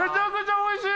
おいしい！